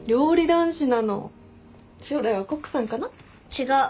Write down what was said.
違う。